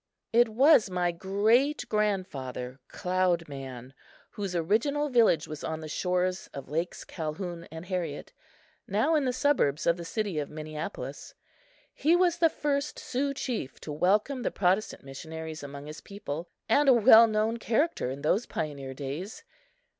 It was my great grandfather, Cloud Man, whose original village was on the shores of Lakes Calhoun and Harriet, now in the suburbs of the city of Minneapolis. He was the first Sioux chief to welcome the Protestant missionaries among his people, and a well known character in those pioneer days.